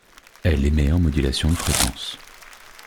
Elle émet en modulation de fréquence.